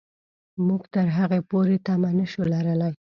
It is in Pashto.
موږ تر هغې پورې تمه نه شو لرلای.